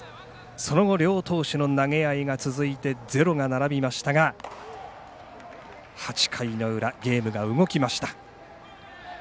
その後両投手の投げ合いが続いてゼロが並びましたが８回の裏ゲームが動きました。